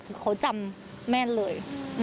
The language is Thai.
คือเขาจำแม่นเลย